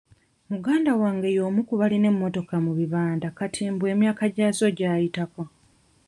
Muganda wange y'omu ku baalina emmotoka mu bibanda kati mbu emyaka gyazo gyayitako.